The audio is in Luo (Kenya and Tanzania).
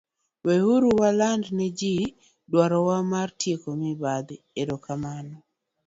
Weuru waland ne ji duto dwarowa mar tieko mibadhi, erokamano.